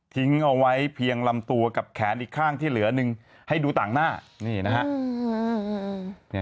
ทิ้งเอาไว้เพียงลำตัวกับแขนอีกข้างที่เหลือหนึ่งให้ดูต่างหน้านี่นะฮะ